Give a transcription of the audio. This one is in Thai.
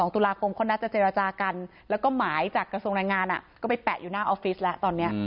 ตุลาคมเขานัดจะเจรจากันแล้วก็หมายจากกระทรวงแรงงานก็ไปแปะอยู่หน้าออฟฟิศแล้วตอนนี้